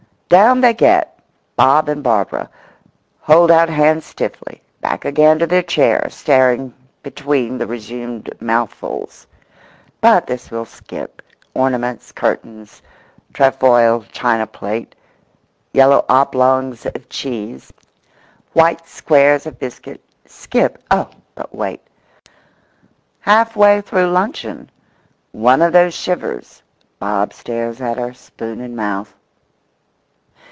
Down they get (Bob and Barbara), hold out hands stiffly; back again to their chairs, staring between the resumed mouthfuls. [But this we'll skip; ornaments, curtains, trefoil china plate, yellow oblongs of cheese, white squares of biscuit—skip—oh, but wait! Half way through luncheon one of those shivers; Bob stares at her, spoon in mouth.